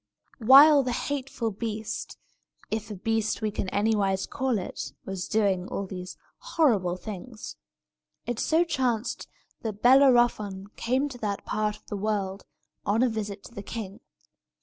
While the hateful beast (if a beast we can anywise call it) was doing all these horrible things, it so chanced that Bellerophon came to that part of the world, on a visit to the king.